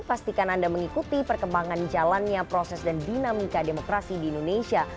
pastikan anda mengikuti perkembangan jalannya proses dan dinamika demokrasi di indonesia